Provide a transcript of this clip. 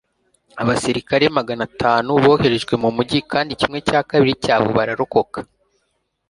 Abasirikare magana atanu boherejwe mu mujyi kandi kimwe cya kabiri cyabo bararokoka